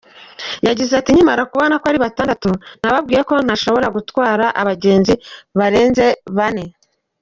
Yagize ati “Nkimara kubona ko ari batandatu, nababwiye ko ntashobora gutwara abagenzi barenze bane.